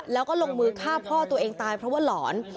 แล้วก็ลงมือฆ่าพ่อตัวเองตายเพราะว่าหลอน